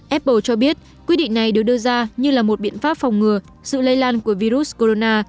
apple cho biết quy định này được đưa ra như là một biện pháp phòng ngừa sự lây lan của virus corona